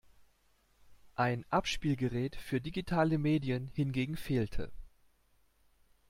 Ein Abspielgerät für digitale Medien hingegen fehlte.